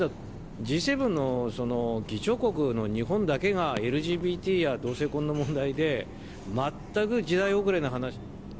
Ｇ７の議長国の日本だけがＬＧＢＴや同性婚の問題で、全く時代遅れの話。